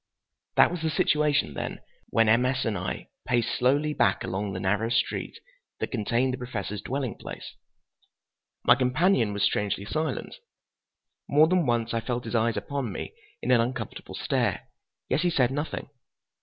That was the situation, then, when M. S. and I paced slowly back along the narrow street that contained the Professor's dwelling place. My companion was strangely silent. More than once I felt his eyes upon me in an uncomfortable stare, yet he said nothing.